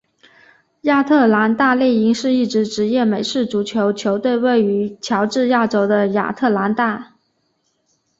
亚特兰大猎鹰是一支职业美式足球球队位于乔治亚州的亚特兰大。